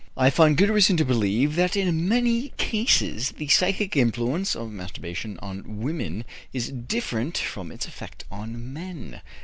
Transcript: I find good reason to believe that in many cases the psychic influence of masturbation on women is different from its effect on men.